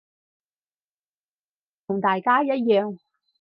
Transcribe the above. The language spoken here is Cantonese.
同大家一樣